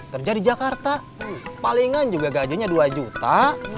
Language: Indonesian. kerja di jakarta palingan juga gajahnya dua juta